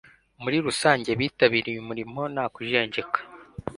muri rusange bitabiriye umurimo nta kujenjeka